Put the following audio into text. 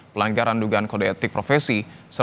pelanggaran dugaan kode etik profesi